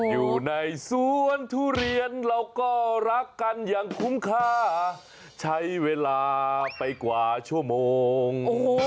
อยู่ในสวนทุเรียนเราก็รักกันอย่างคุ้มค่าใช้เวลาไปกว่าชั่วโมง